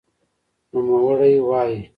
نوموړې وايي